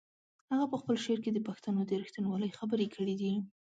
هغه په خپل شعر کې د پښتنو د رښتینولۍ خبرې کړې دي.